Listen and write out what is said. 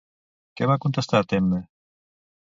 Què va contestar Temme?